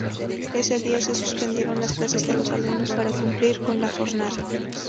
Ese día se suspendieron las clases de los alumnos para cumplir con la jornada.